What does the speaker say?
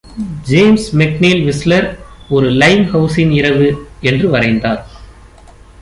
James McNeill Whistler ஒரு "லைம்ஹவுஸின் இரவு" என்று வரைந்தார்.